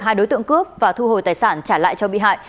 hai đối tượng cướp và thu hồi tài sản trả lại cho bị hại